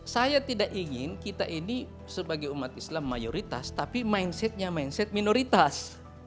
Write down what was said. saya tidak ingin kita ini sebagai umat islam mayoritas tapi mindsetnya mindset minoritas